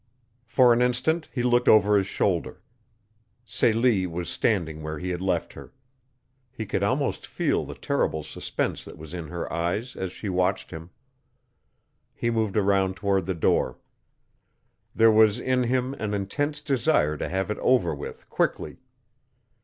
For an instant he looked over his shoulder. Celia was standing where he had left her. He could almost feel the terrible suspense that was in her eyes as she watched him. He moved around toward the door. There was in him an intense desire to have it over with quickly.